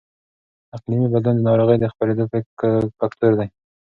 اقلیمي بدلون د ناروغۍ د خپرېدو فکتور دی.